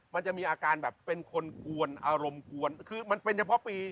มันจะมีอาการแบบเป็นคนกวนอารมณ์กวนคือมันเป็นเฉพาะปี